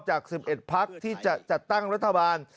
จาก๑๑พักที่จะจัดตั้งรัฐบาล